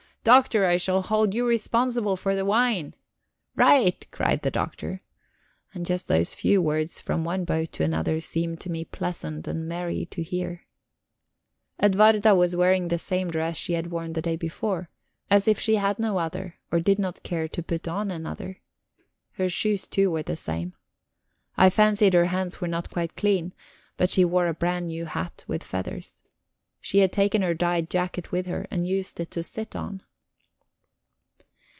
Doctor, I shall hold you responsible for the wine." "Right!" cried the Doctor. And just those few words from one boat to another seemed to me pleasant and merry to hear. Edwarda was wearing the same dress she had, worn the day before, as if she had no other or did not care to put on another. Her shoes, too, were the same. I fancied her hands were not quite clean; but she wore a brand new hat, with feathers. She had taken her dyed jacket with her, and used it to sit on.